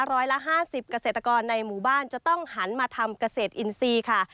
ร้อยละ๕๐เกษตรกรในหมู่บ้านจะต้องหันมาทำเกษตรอินทรีย์ค่ะ